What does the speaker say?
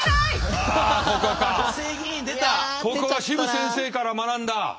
ここはシム先生から学んだ。